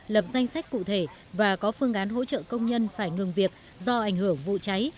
lập danh sách cụ thể và có phương án hỗ trợ công nhân phải ngừng việc do ảnh hưởng vụ cháy